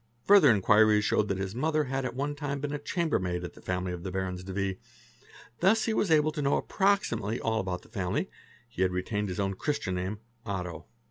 Further inquiries showed that his mother had at one time been a chamber maid in the family of the Barons de V., thus he was able to know approximately all about the family; he had retained his own Christian name, Otto.